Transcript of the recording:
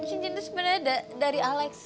itu sebenarnya dari alex